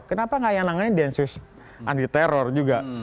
kenapa gak yang langganan densus anti teror juga